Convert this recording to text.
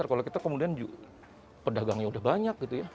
kalau kita kemudian pedagangnya udah banyak gitu ya